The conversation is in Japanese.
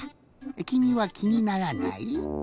きみはきにならない？